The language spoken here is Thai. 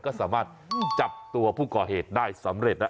ก็สามารถจับตัวผู้ก่อเหตุได้สำเร็จนะ